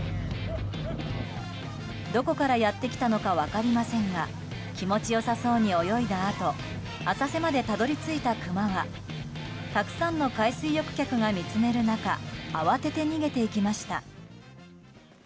どこからやってきたのか分かりませんが気持ちよさそうに泳いだあと浅瀬までたどり着いたクマはたくさんの海水浴客が見つめる中慌てて逃げていきました。